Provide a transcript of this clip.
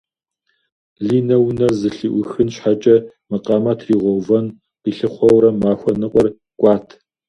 Линэ унэр зэлъыӏуихын щхьэкӏэ макъамэ тригъувэн къилъыхъуэурэ махуэ ныкъуэр кӏуат.